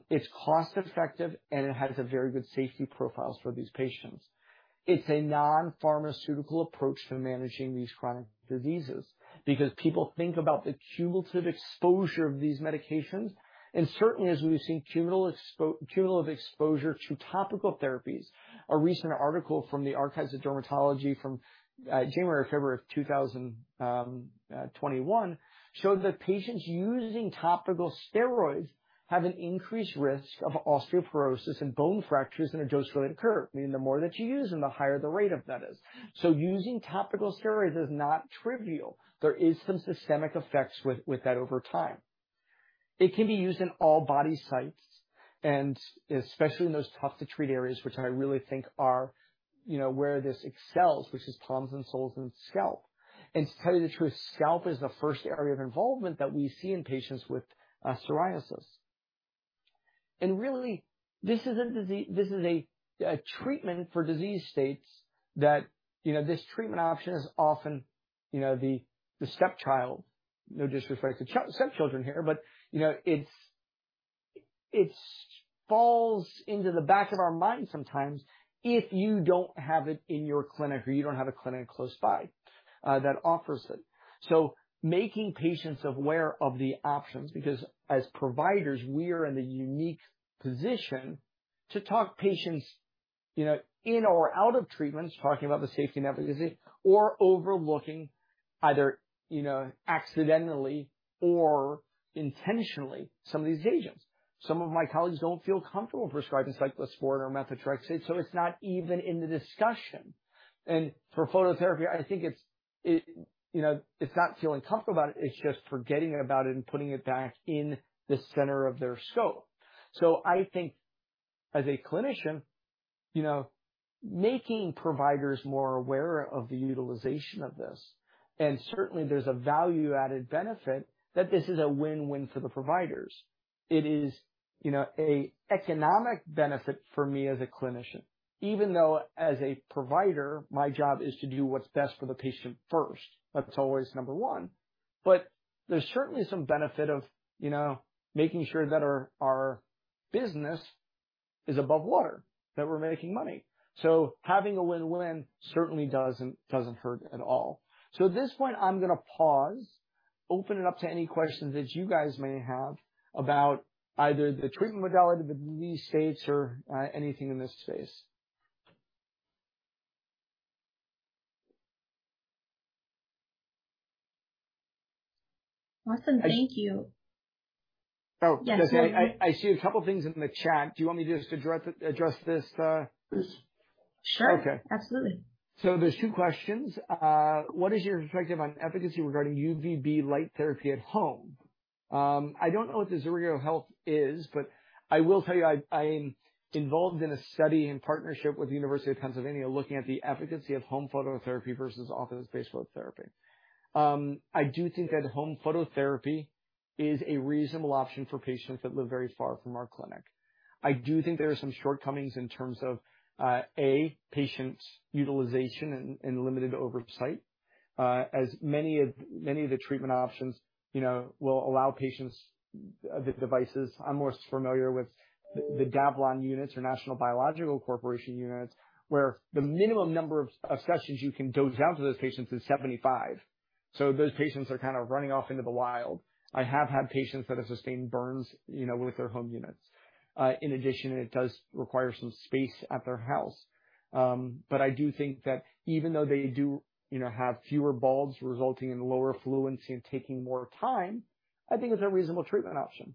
It's cost-effective, and it has a very good safety profiles for these patients. It's a non-pharmaceutical approach to managing these chronic diseases because people think about the cumulative exposure of these medications. Certainly, as we've seen, cumulative exposure to topical therapies. A recent article from the Archives of Dermatology from January or February of 2021 showed that patients using topical steroids have an increased risk of osteoporosis and bone fractures in a dose-related curve, meaning the more that you use them, the higher the rate of that is. Using topical steroids is not trivial. There is some systemic effects with that over time. It can be used in all body sites and especially in those tough-to-treat areas, which I really think are, you know, where this excels, which is palms and soles and scalp. To tell you the truth, scalp is the first area of involvement that we see in patients with psoriasis. Really, this is a treatment for disease states that, you know, this treatment option is often the stepchild. No disrespect to stepchildren here, but, you know, it falls into the back of our mind sometimes if you don't have it in your clinic or you don't have a clinic close by that offers it. Making patients aware of the options, because as providers, we are in the unique position to talk patients, you know, in or out of treatments, talking about the safety and efficacy or overlooking either, you know, accidentally or intentionally some of these agents. Some of my colleagues don't feel comfortable prescribing cyclosporine or methotrexate, so it's not even in the discussion. For phototherapy, I think it's, you know, it's not feeling comfortable about it's just forgetting about it and putting it back in the center of their scope. I think as a clinician, you know, making providers more aware of the utilization of this, and certainly there's a value-added benefit that this is a win-win for the providers. It is, you know, an economic benefit for me as a clinician, even though as a provider, my job is to do what's best for the patient first. That's always number 1. There's certainly some benefit of, you know, making sure that our business is above water, that we're making money. Having a win-win certainly doesn't hurt at all. At this point, I'm gonna pause, open it up to any questions that you guys may have about either the treatment modality, the disease states, or anything in this space. Awesome. Thank you. Oh, I see a couple things in the chat. Do you want me just to address this? Sure. Okay. Absolutely. There's two questions. What is your perspective on efficacy regarding UVB light therapy at home? I don't know what the Zuri Health is, but I will tell you, I'm involved in a study in partnership with the University of Pennsylvania, looking at the efficacy of home phototherapy versus office-based phototherapy. I do think that home phototherapy is a reasonable option for patients that live very far from our clinic. I do think there are some shortcomings in terms of, A, patient utilization and limited oversight. As many of the treatment options will allow patients the devices. I'm most familiar with the Daavlin units or National Biological Corporation units, where the minimum number of sessions you can dose out to those patients is 75. Those patients are kind of running off into the wild. I have had patients that have sustained burns, you know, with their home units. In addition, it does require some space at their house. But I do think that even though they do, you know, have fewer bulbs resulting in lower fluence and taking more time, I think it's a reasonable treatment option.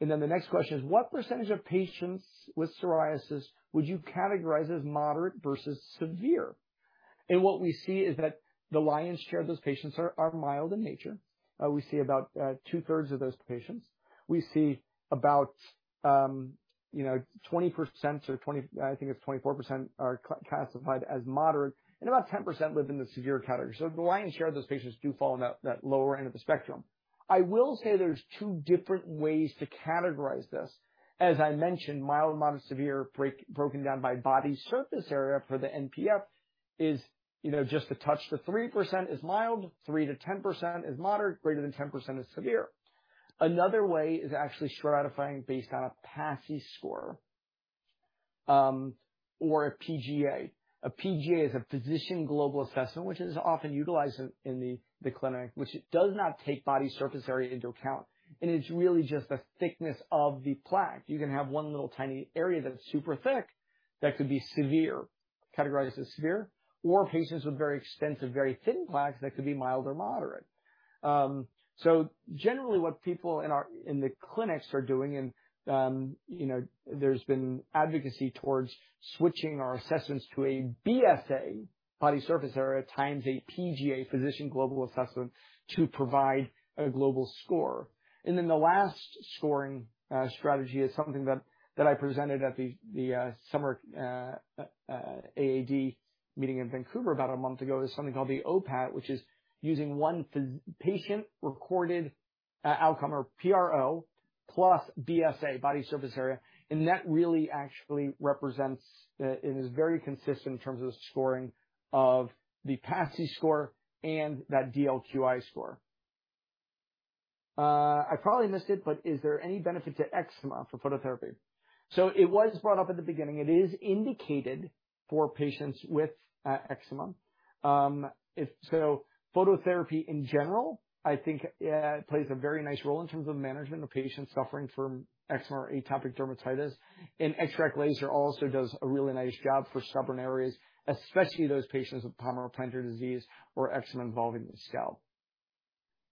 The next question is what percentage of patients with psoriasis would you categorize as moderate versus severe? What we see is that the lion's share of those patients are mild in nature. We see about two-thirds of those patients. We see about 20% or I think it's 24% are classified as moderate and about 10% live in the severe category. The lion's share of those patients do fall in that lower end of the spectrum. I will say there's two different ways to categorize this. As I mentioned, mild, moderate, severe broken down by body surface area for the NPF is, you know, just a touch to 3% is mild, 3%-10% is moderate, greater than 10% is severe. Another way is actually stratifying based on a PASI score, or a PGA. A PGA is a Physician Global Assessment, which is often utilized in the clinic, which it does not take body surface area into account, and it's really just the thickness of the plaque. You can have one little tiny area that's super thick that could be severe, categorized as severe, or patients with very extensive, very thin plaques that could be mild or moderate. Generally what people in our clinics are doing, you know, there's been advocacy towards switching our assessments to a BSA, Body Surface Area, times a PGA, Physician Global Assessment, to provide a global score. Then the last scoring strategy is something that I presented at the summer AAD meeting in Vancouver about a month ago. There's something called the OPAT, which is using one patient-recorded outcome or PRO plus BSA, body surface area. That really actually represents and is very consistent in terms of scoring of the PASI score and that DLQI score. I probably missed it, but is there any benefit to eczema for phototherapy? It was brought up at the beginning. It is indicated for patients with eczema. If so, phototherapy in general, I think, plays a very nice role in terms of management of patients suffering from eczema or atopic dermatitis. XTRAC laser also does a really nice job for stubborn areas, especially those patients with palmoplantar disease or eczema involving the scalp.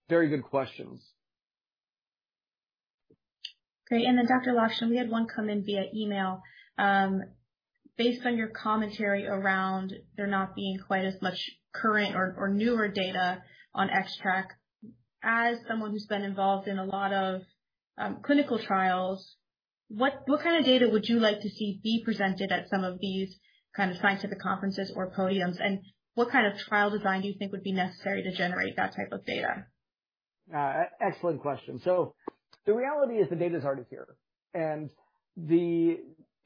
Very good questions. Great. Dr. Lockshin, we had one come in via email. Based on your commentary around there not being quite as much current or newer data on XTRAC, as someone who's been involved in a lot of clinical trials, what kind of data would you like to see be presented at some of these kind of scientific conferences or podiums? What kind of trial design do you think would be necessary to generate that type of data? Excellent question. The reality is the data is already here.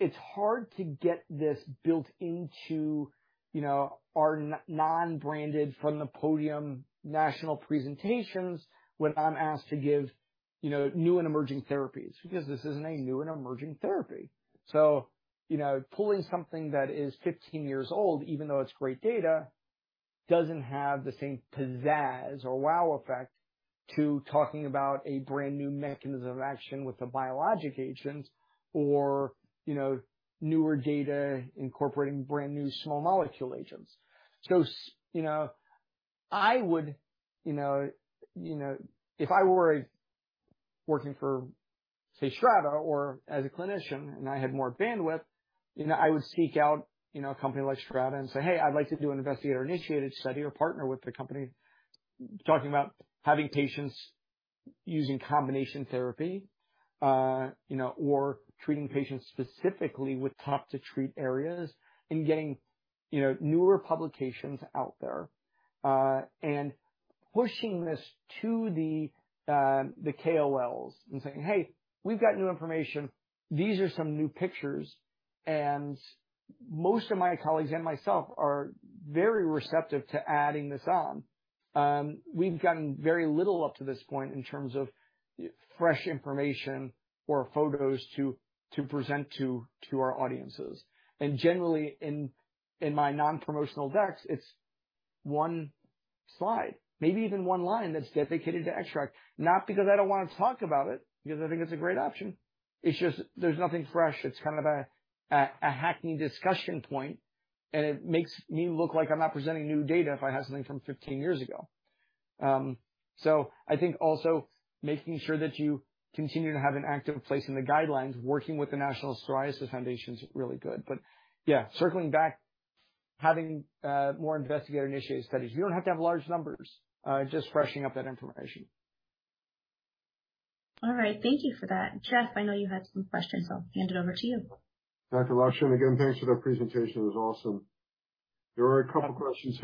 It's hard to get this built into, you know, our non-branded, from-the-podium national presentations when I'm asked to give, you know, new and emerging therapies, because this isn't a new and emerging therapy. You know, pulling something that is 15 years old, even though it's great data, doesn't have the same pizzazz or wow effect to talking about a brand-new mechanism of action with the biologic agents or, you know, newer data incorporating brand-new small molecule agents. You know, I would, you know, if I were working for, say, STRATA or as a clinician, and I had more bandwidth I would seek out, you know, a company like STRATA and say, "Hey, I'd like to do an investigator-initiated study or partner with the company," talking about having patients using combination therapy, you know, or treating patients specifically with tough-to-treat areas and getting, you know, newer publications out there, and pushing this to the KOLs and saying, "Hey, we've got new information. These are some new pictures." Most of my colleagues and myself are very receptive to adding this on. We've gotten very little up to this point in terms of fresh information or photos to present to our audiences. Generally in my non-promotional decks, it's one slide, maybe even one line that's dedicated to XTRAC. Not because I don't want to talk about it, because I think it's a great option. It's just there's nothing fresh. It's kind of a hackneyed discussion point. It makes me look like I'm not presenting new data if I have something from 15 years ago. I think also making sure that you continue to have an active place in the guidelines, working with the National Psoriasis Foundation is really good. Yeah, circling back, having more investigator-initiated studies. You don't have to have large numbers, just freshening up that information. All right. Thank you for that. Jeff, I know you had some questions, so I'll hand it over to you. Dr. Lockshin, again, thanks for the presentation. It was awesome. There are a couple questions.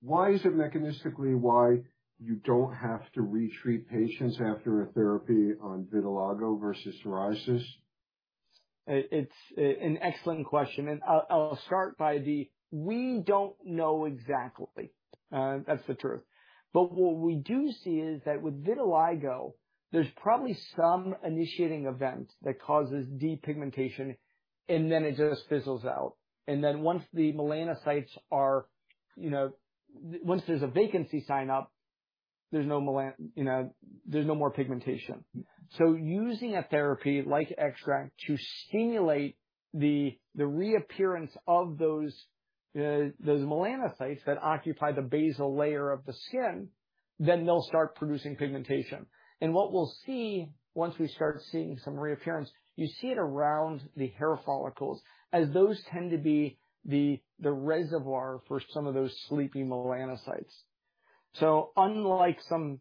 Why is it mechanistically why you don't have to re-treat patients after a therapy on vitiligo versus psoriasis? It's an excellent question, and I'll start by saying we don't know exactly. That's the truth. What we do see is that with vitiligo, there's probably some initiating event that causes depigmentation, and then it just fizzles out. Once there's a vacancy sign up, there's no more pigmentation. Using a therapy like XTRAC to stimulate the reappearance of those melanocytes that occupy the basal layer of the skin, then they'll start producing pigmentation. What we'll see once we start seeing some reappearance, you see it around the hair follicles as those tend to be the reservoir for some of those sleepy melanocytes. Unlike some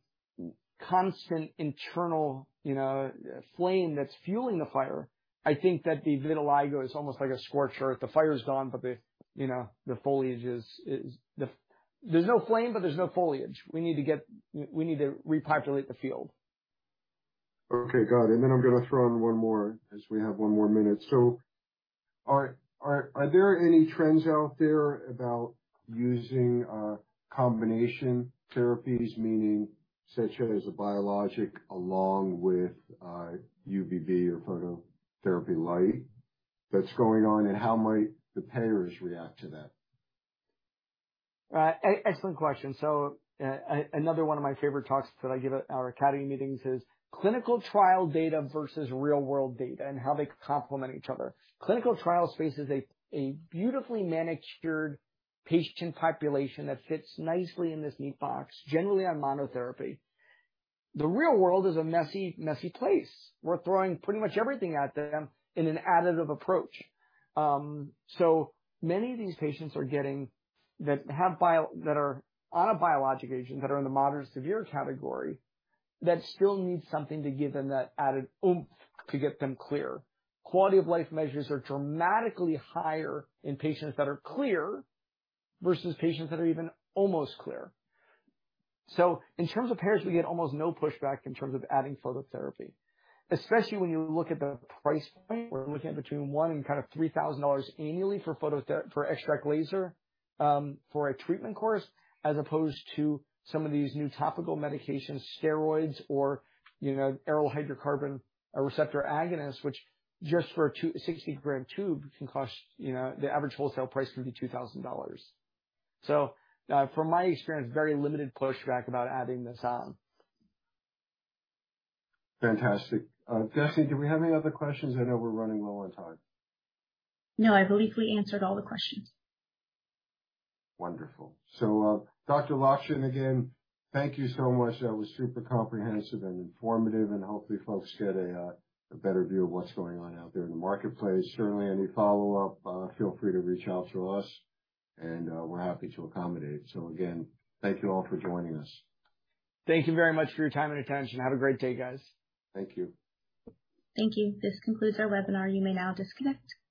constant internal, you know, flame that's fueling the fire, I think that the vitiligo is almost like a scorched earth. The fire's gone, but you know, the foliage is. There's no flame, but there's no foliage. We need to repopulate the field. Okay, got it. I'm gonna throw in one more as we have one more minute. Are there any trends out there about using combination therapies, meaning such as a biologic along with UVB or phototherapy light that's going on, and how might the payers react to that? Excellent question. Another one of my favorite talks that I give at our academy meetings is clinical trial data versus real-world data and how they complement each other. Clinical trial space is a beautifully manicured patient population that fits nicely in this neat box, generally on monotherapy. The real world is a messy place. We're throwing pretty much everything at them in an additive approach. Many of these patients that are on a biologic agent, that are in the moderate-severe category, that still need something to give them that added oomph to get them clear. Quality of life measures are dramatically higher in patients that are clear versus patients that are even almost clear. In terms of payers, we get almost no pushback in terms of adding phototherapy, especially when you look at the price point. We're looking at between $1,000 and $3,000 annually for XTRAC laser for a treatment course, as opposed to some of these new topical medications, steroids or, you know, aryl hydrocarbon receptor agonist, which just for a 260-gram tube can cost, you know, the average wholesale price could be $2,000. From my experience, very limited pushback about adding this on. Fantastic. Destiny Hance, do we have any other questions? I know we're running low on time. No, I believe we answered all the questions. Wonderful. Dr. Lockshin, again, thank you so much. That was super comprehensive and informative, and hopefully folks get a better view of what's going on out there in the marketplace. Certainly, any follow-up, feel free to reach out to us and we're happy to accommodate. Again, thank you all for joining us. Thank you very much for your time and attention. Have a great day, guys. Thank you. Thank you. This concludes our webinar. You may now disconnect.